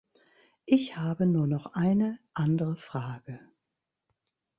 Ich habe nur noch eine andere Frage.